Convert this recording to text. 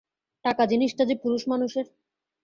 টাকা জিনিসটা যে পুরুষমানুষের।